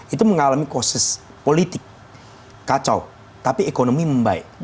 itu mengalami kosis politik kacau tapi ekonomi membaik